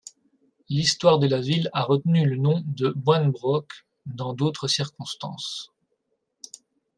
L’histoire de la ville a retenu le nom de Boinebroke dans d’autres circonstances.